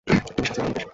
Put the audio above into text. তুমি শাস্তি পাবে মুকেশ।